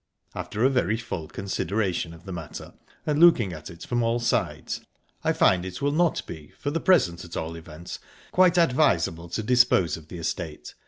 After a very full consideration of the matter and looking at it from all sides, I find it will not be for the present, at all events quite advisable to dispose of the estate.